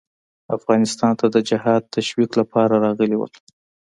افغانستان ته د جهاد تشویق لپاره راغلي ول.